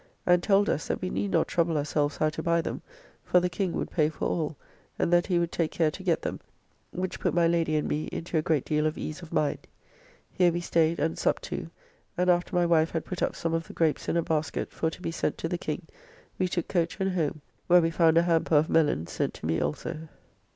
And told us, that we need not trouble ourselves how to buy them, for the King would pay for all, and that he would take care to get them: which put my Lady and me into a great deal of ease of mind. Here we staid and supped too, and, after my wife had put up some of the grapes in a basket for to be sent to the King, we took coach and home, where we found a hampire of millons sent to me also.